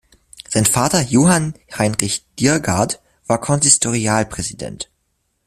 Sein Vater Johann Heinrich Diergardt war Konsistorialpräsident.